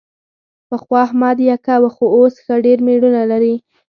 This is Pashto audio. پخوا احمد یکه و، خو اوس ښه ډېر مېړونه لري.